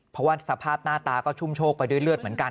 เพราะว่าสภาพหน้าตาก็ชุ่มโชคไปด้วยเลือดเหมือนกัน